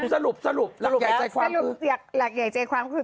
สรุปหลักใหญ่ใจความคือ